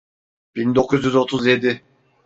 Bin dokuz yüz otuz yedi.